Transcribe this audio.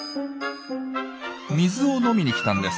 水を飲みに来たんです。